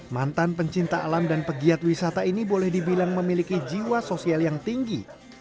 mantan pencinta alam dan pegiat wisata ini boleh dibilang memiliki jiwa sosial yang tinggi